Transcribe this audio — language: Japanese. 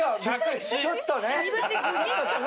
ちょっとね。